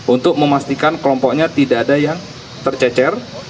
untuk memastikan kelompoknya tidak ada yang tercecer